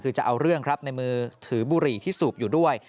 คือจะเอาเรื่องครับในมือถือบุหรี่ที่สูบอยู่ด้วย